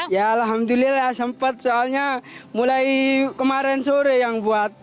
ya alhamdulillah sempat soalnya mulai kemarin sore yang buat